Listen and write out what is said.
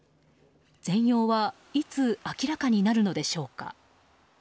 全容はいつ明らかになるのでしょうか。